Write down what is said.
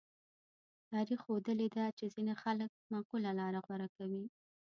تاریخ ښوولې ده چې ځینې خلک معقوله لاره غوره کوي.